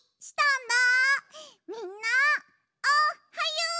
みんなおっはよ！